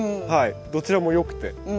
どちらもよくて。